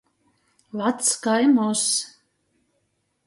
Vacs kai mozs.